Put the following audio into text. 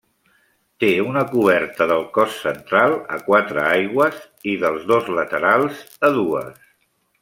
Té una coberta del cos central a quatre aigües i dels dos laterals a dues.